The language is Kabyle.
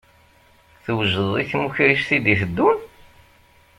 Twejdeḍ i tmukrist i d-iteddun?